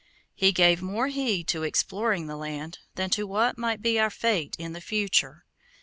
He gave more heed to exploring the land, than to what might be our fate in the future.